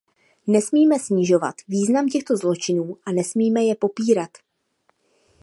Nesmíme snižovat význam těchto zločinů a nesmíme je popírat.